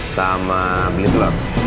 sama beli telur